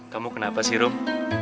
kamu kenapa sih rum